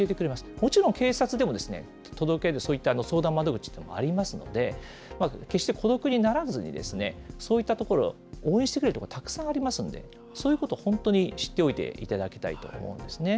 もちろん警察でも届け出、そういった相談窓口というのもありますので、決して孤独にならずに、そういったところ、応援してくれるところ、たくさんありますので、そういうこと、本当に知っておいていただきたいと思いますね。